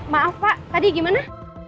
maaf pak tadi gimana